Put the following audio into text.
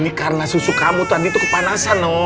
ini karena susu kamu tadi tuh kepanasan